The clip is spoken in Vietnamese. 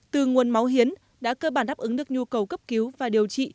từ nguồn máu hiến đã cơ bản đáp ứng được nhu cầu cấp cứu và điều trị